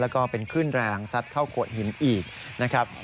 แล้วก็เป็นคลื่นแรงซัดเข้าโขดหินอีกนะครับ